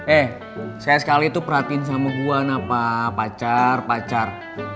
eh sekali sekali perhatiin sama gue apa pacar pacar